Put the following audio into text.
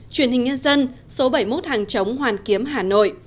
truyền hình nhân dân số bảy mươi một hàng chống hoàn kiếm hà nội